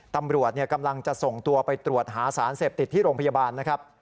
ตำรวจกำลังจะส่งตัวไปตรวจหาสารเสพติดที่โรงพยาบาลนะครับ